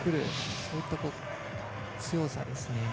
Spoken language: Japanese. そういった強さですね。